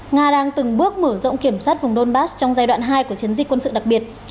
nga đang từng bước mở rộng kiểm soát vùng donbass trong giai đoạn hai của chiến dịch quân sự đặc biệt